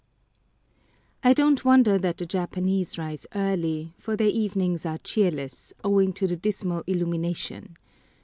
I DON'T wonder that the Japanese rise early, for their evenings are cheerless, owing to the dismal illumination.